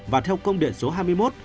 và theo công điện số hai mươi một